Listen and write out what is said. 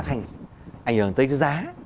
ảnh hưởng tới giá